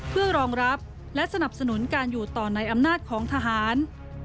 เพื่อรองรับและสนับสนุนการอยู่ต่อในอำนาจของทหาร